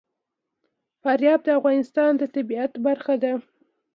فاریاب د افغانستان د طبیعت برخه ده.